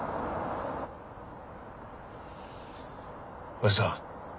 ・おやじさん